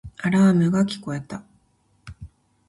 アラームが聞こえた